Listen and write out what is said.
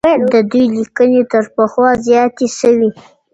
د دوی ليکنې تر پخوا زياتې سوې.